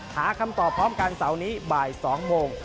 หาคำตอบพร้อมกันเสาร์นี้บ่าย๒โมง